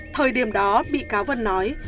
thời điểm đó bị cáo vân nói